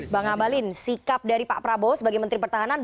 bang abalin sikap dari pak prabowo sebagai menteri pertahanan